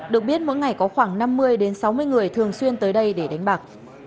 được biết mỗi ngày có khoảng năm mươi sáu mươi người thường xuyên tới đây để đánh bạc